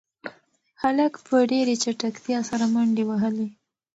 هلک په ډېرې چټکتیا سره منډې وهلې.